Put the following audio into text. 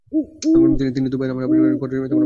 তিনি দিনে দুইবার নামাজ পড়তেন, ফজরের ও মাগরিবের নামাজ।